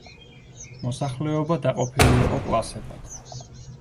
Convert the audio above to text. მოსახლეობა დაყოფილი იყო კლასებად.